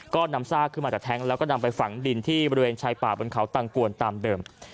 ก็นำซากขึ้นมาจากแท้งแล้วก็นำไปฝังดินที่บริเวณชายป่าบนเขาตังกวนตามเดิม